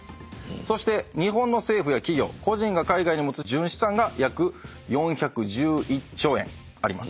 そして日本の政府や企業個人が海外に持つ純資産が約４１１兆円あります。